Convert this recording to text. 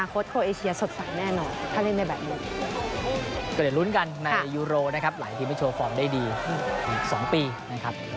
เกลียดรุ้นกันในยูโรนะครับหลายทีมให้โชว์ฟอร์มได้ดี๒ปีนะครับ